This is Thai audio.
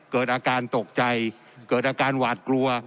เกิดอาการตกใจเกิดอาการหวาดกลัว